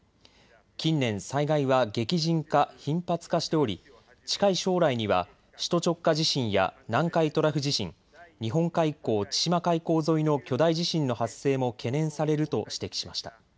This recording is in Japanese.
近年、災害は激甚化・頻発化しており近い将来には首都直下地震や南海トラフ地震、日本海溝・千島海溝沿いの巨大地震の発生も懸念されると指摘しました。